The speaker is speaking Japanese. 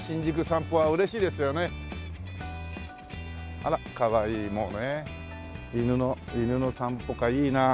あらかわいい犬の散歩かいいなあ。